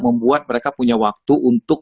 membuat mereka punya waktu untuk